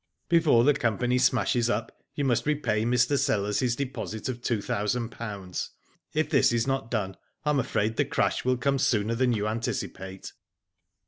Before the company smashes up you must repay Mr, Sellers his deposit of two thousand pounds. If this is not done I am afraid the crash will come sooner than you anticipate.'